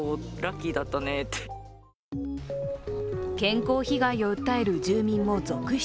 健康被害を訴える住民も続出。